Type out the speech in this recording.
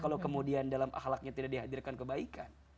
kalau kemudian dalam akhlaknya tidak dihadirkan kebaikan